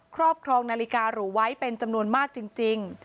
ครอบครองนาฬิการูไว้เป็นจำนวนมากจริง